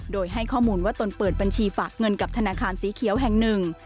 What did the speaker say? โดยให้ข้อมูลว่าตนเปิดบัญชีฝากเงินกับธนาคารสีเขียวแห่งหนึ่ง